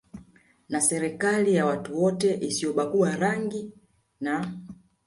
na serikali ya watu wote isiyobagua rangi na